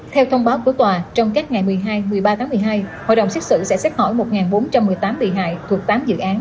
theo thông báo của tòa trong các ngày một mươi hai một mươi ba tháng một mươi hai hội đồng xét xử sẽ xét hỏi một bốn trăm một mươi tám bị hại thuộc tám dự án